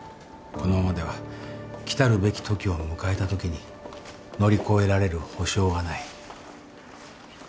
このままでは来たるべき時を迎えたときに乗り越えられる保証がない。